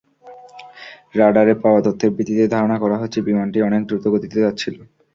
রাডারে পাওয়া তথ্যের ভিত্তিতে ধারণা করা হচ্ছে, বিমানটি অনেক দ্রুতগতিতে যাচ্ছিল।